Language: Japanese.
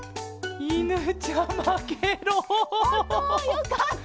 よかった。